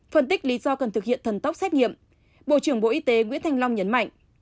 phân tích lý do cần thực hiện thần tốc xét nghiệm bộ trưởng bộ y tế nguyễn thanh long nhấn mạnh